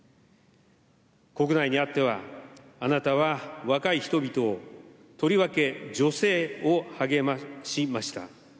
国内にあってはあなたは若い人々を、とりわけ女性を励ましました。